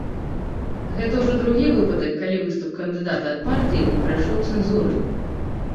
Гэта ўжо другі выпадак, калі выступ кандыдата ад партыі не прайшоў цэнзуры.